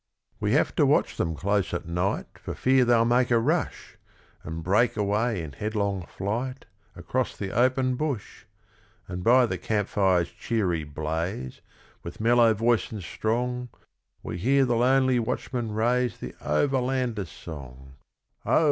We have to watch them close at night For fear they'll make a rush, And break away in headlong flight Across the open bush; And by the camp fire's cheery blaze, With mellow voice and strong, We hear the lonely watchman raise The Overlander's song: 'Oh!